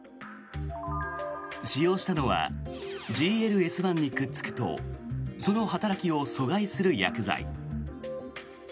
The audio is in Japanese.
使用したのはＧＬＳ１にくっつくとその働きを阻害する薬剤。